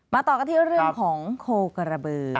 ต่อกันที่เรื่องของโคกระบือ